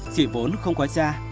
chị vốn không có cha